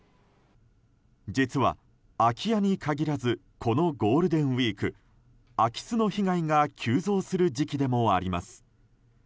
実は、空き家に限らずこのゴールデンウィーク空き巣の被害が急増する時期でもあります。